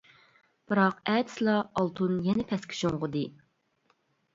بىراق ئەتىسىلا ئالتۇن يەنە پەسكە شۇڭغۇدى.